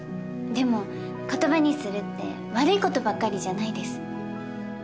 でも言葉にするって悪いことばかりじゃないです。